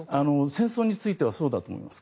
戦争についてはそうだと思います。